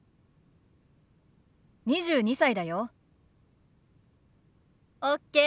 ２２歳だよ。ＯＫ。